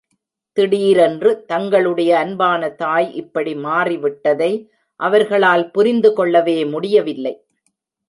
திடீரென்று தங்களுடைய அன்பான தாய் இப்படி மாறிவிட்டதை அவர்களால் புரிந்துகொள்ளவே முடியவில்லை.